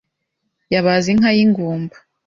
yabaze inka y’ingumba